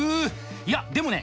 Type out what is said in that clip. いやでもね